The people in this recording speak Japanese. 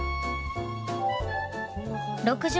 ６０